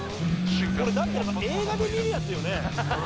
これ、だって映画で見るやつよね？